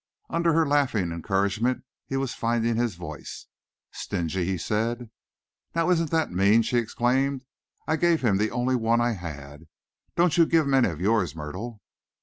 Under her laughing encouragement he was finding his voice. "Stingy!" he said. "Now isn't that mean," she exclaimed. "I gave him the only one I had. Don't you give him any of yours, Myrtle."